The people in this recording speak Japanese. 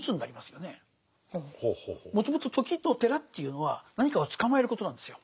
もともと「時」と「寺」というのは何かを捕まえることなんですよ。